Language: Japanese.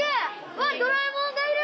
わっドラえもんがいる！